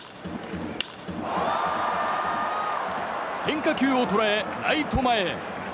変化球を捉え、ライト前へ。